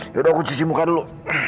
yaudah aku cuci muka dulu